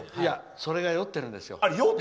それが、酔ってるんですよ。